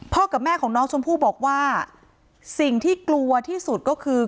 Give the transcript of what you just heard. กับแม่ของน้องชมพู่บอกว่าสิ่งที่กลัวที่สุดก็คือ